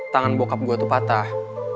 tangan bokap gue tuh patah